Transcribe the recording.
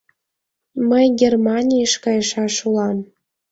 Мый Германийыш кайышаш улам.